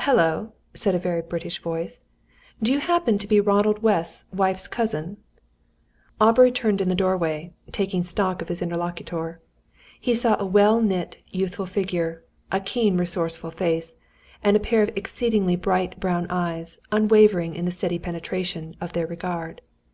"Hullo," said a very British voice. "Do you happen to be Ronald West's wife's cousin?" Aubrey turned in the doorway, taking stock of his interlocutor. He saw a well knit, youthful figure, a keen resourceful face, and a pair of exceedingly bright brown eyes, unwavering in the steady penetration of their regard.